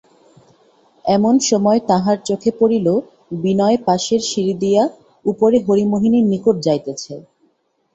এমন সময় তাঁহার চোখে পড়িল বিনয় পাশের সিঁড়ি দিয়া উপরে হরিমোহিনীর নিকট যাইতেছে।